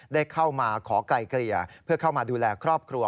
ได้เข้ามาขอไกลเกลี่ยเพื่อเข้ามาดูแลครอบครัว